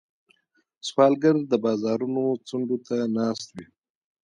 سوالګر د بازارونو څنډو ته ناست وي